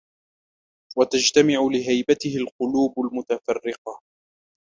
وَتَجْتَمِعُ لِهَيْبَتِهِ الْقُلُوبُ الْمُتَفَرِّقَةُ